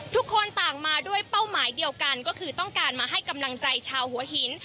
ทุกคนต่างมาด้วยเป้าหมายเดียวกันก็คือต้องการมาให้กำลังใจชาวหัวหิน